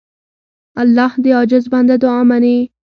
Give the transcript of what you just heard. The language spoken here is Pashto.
الله د عاجز بنده دعا منې.